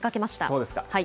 そうですか。